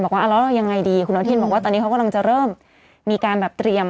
ว่าแล้วเรายังไงดีคุณอนุทินบอกว่าตอนนี้เขากำลังจะเริ่มมีการแบบเตรียม